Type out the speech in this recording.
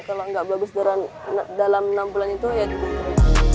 kalau enggak bagus dalam enam bulan itu ya dilihat